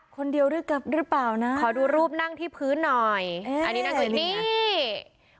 คนเดียวหรือเปล่านะขอดูรูปนั่งที่พื้นหน่อยอันนี้นั่งอย่างนี้นะ